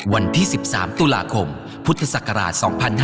วันที่๑๓ตุลาคมพุทธศักราช๒๕๕๙